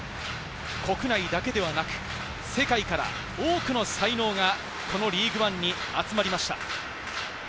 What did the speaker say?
国内だけではなく、世界から多くの才能がこのリーグワンに集まりました。